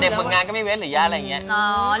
เจ็บเมืองงานก็ไม่เวสหรือย้าอะไรอย่างนี้